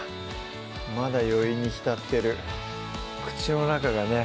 まだ余韻に浸ってる口の中がね